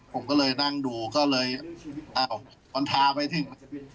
ผมก็เลยนั่งดูก็เลยอ้าวมันทาไปถึง